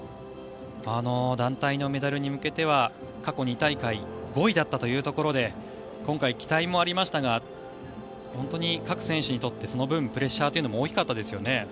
団体のメダルに向けては過去２大会５位だったということで今回期待もありましたが本当に各選手にとってその分、プレッシャーというのも大きかったですよね。